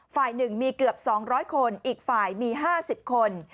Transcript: ฝ่ายหนึ่งมีเกือบ๒๐๐คนอีกฝ่ายมี๕๐คน